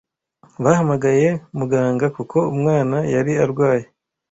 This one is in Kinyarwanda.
Bahamagaye muganga kuko umwana yari arwaye.